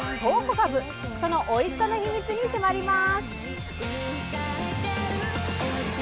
かぶそのおいしさの秘密に迫ります。